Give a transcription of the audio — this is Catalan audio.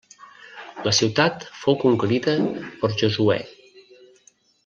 La ciutat fou conquerida per Josuè.